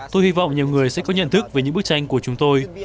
tôi hy vọng nhiều người sẽ có nhận thức về những bức tranh của chúng tôi